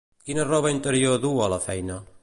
Quina roba interior duu a la feina?